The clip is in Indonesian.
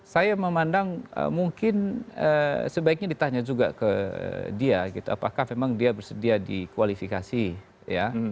saya memandang mungkin sebaiknya ditanya juga ke dia gitu apakah memang dia bersedia di kualifikasi ya